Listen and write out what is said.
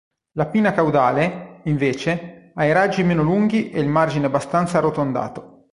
La pinna caudale, invece, ha i raggi meno lunghi e il margine abbastanza arrotondato.